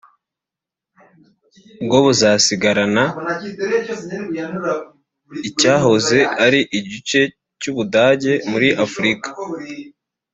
bwo buzasigarana icyahoze ari igice cy u budage muri afurika